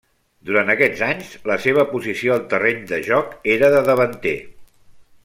Durant aquests anys la seva posició al terreny de joc era de davanter.